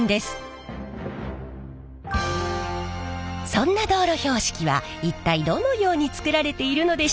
そんな道路標識は一体どのように作られているのでしょうか？